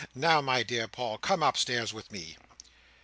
Now, my dear Paul, come upstairs with me."